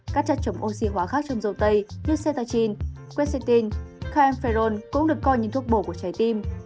các chất chống oxy hóa khác trong dâu tây như cetacin quercetin caemferol cũng được coi như thuốc bổ của trái tim